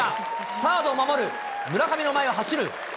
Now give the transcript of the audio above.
サードを守る村上の前を走る。